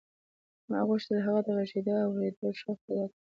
ما غوښتل هغه د غږېدو او اورېدو شوق پیدا کړي